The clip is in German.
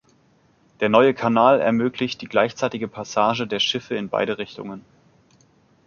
Der neue Kanal ermöglicht die gleichzeitige Passage der Schiffe in beide Richtungen.